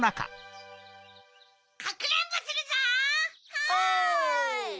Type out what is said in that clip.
はい！